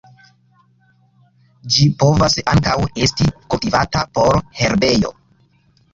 Ĝi povas ankaŭ esti kultivata por herbejo.